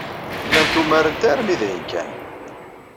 Llant umarent armi d ayen kan.